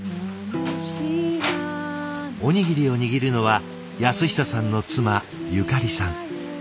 おにぎりを握るのは安久さんの妻ゆかりさん。